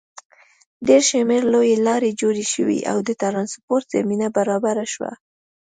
ډېر شمېر لویې لارې جوړې شوې او د ټرانسپورټ زمینه برابره شوه.